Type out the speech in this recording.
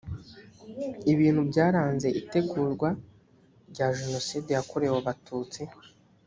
ibintu byaranze itegurwa rya jenoside yakorewe abatutsi